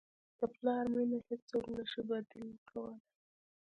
د پلار مینه هیڅوک نه شي بدیل کولی.